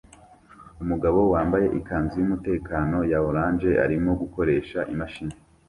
Umugabo wambaye ikanzu yumutekano ya orange arimo gukoresha imashini